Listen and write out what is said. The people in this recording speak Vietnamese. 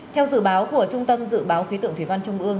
theo dự báo của trung tâm dự báo khí tượng thủy văn trung ương